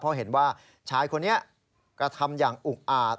เพราะเห็นว่าชายคนนี้กระทำอย่างอุกอาจ